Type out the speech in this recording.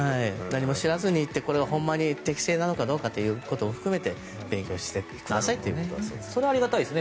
何も知らずに行ってこれが本当に適正なのかってことも含めて勉強してくださいということだそうです。